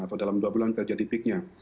atau dalam dua bulan terjadi peaknya